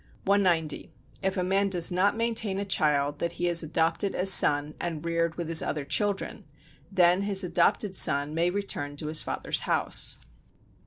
190. If a man does not maintain a child that he has adopted as son and reared with his other children, then his adopted son may return to his father's house.